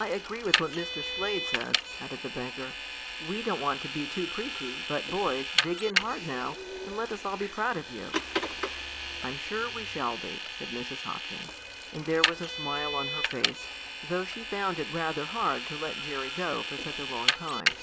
"I agree with what Mr. Slade says," added the banker. "We don't want to be too preachy, but, boys, dig in hard now, and let us all be proud of you." "I'm sure we shall be," said Mrs. Hopkins, and there was a smile on her face, though she found it rather hard to let Jerry go for such a long time.